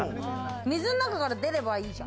水の中から出ればいいじゃん。